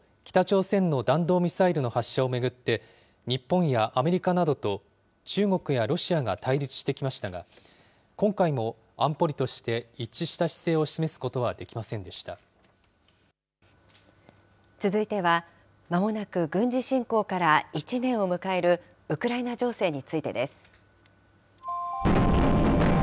安保理ではこれまでも北朝鮮の弾道ミサイルの発射を巡って、日本やアメリカなどと中国やロシアが対立してきましたが、今回も安保理として一致した姿勢を示すこと続いては、まもなく軍事侵攻から１年を迎えるウクライナ情勢についてです。